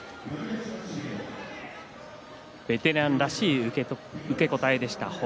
ベテランらしい受け答えでした。